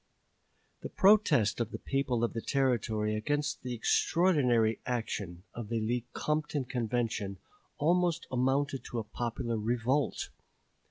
The protest of the people of the Territory against the extraordinary action of the Lecompton Convention almost amounted to a popular revolt.